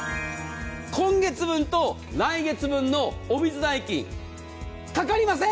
今月分と来月分のお水代金かかりません！